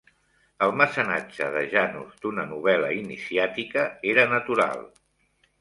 El mecenatge de Janus d'una novel·la iniciàtica era natural.